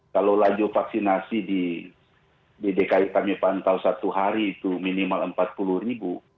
kalau laju vaksinasi di dki kami pantau satu hari itu minimal empat puluh ribu